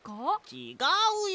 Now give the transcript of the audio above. ちがうよ！